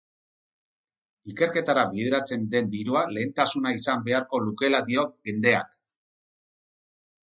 Ikerketara bideratzen den dirua lehentasuna izan beharko lukeela dio gendeak.